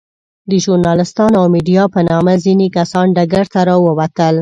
د ژورناليستانو او ميډيا په نامه ځينې کسان ډګر ته راووتل.